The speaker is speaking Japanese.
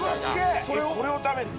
これを食べんの？